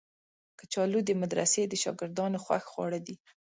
کچالو د مدرسې د شاګردانو خوښ خواړه دي